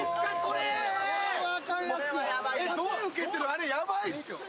あれ、ヤバいっすよ。